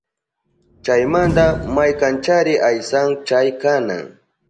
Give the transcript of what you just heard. Chaymanta maykanchari aysan chay qanan